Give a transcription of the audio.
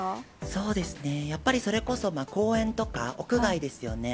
そうですね、やっぱりそれこそ、公園とか、屋外ですよね。